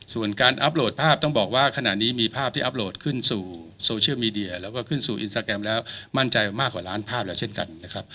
ส่วนการอัพโหลดภาพต้องบอกว่าขณะนี้มีภาพที่อัพโหลดขึ้นสู่โซเชียลมีเดียแล้วก็ขึ้นสู่อินสตาแกรมแล้วมั่นใจมากกว่าล้านภาพแล้วเช่นกันนะครับ